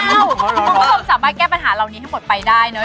คุณผู้ชมสามารถแก้ปัญหาเหล่านี้ให้หมดไปได้เนอะ